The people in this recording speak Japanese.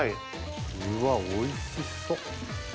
うわおいしそう。